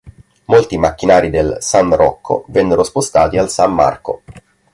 Molti macchinari del "San Rocco" vennero spostati al "San Marco".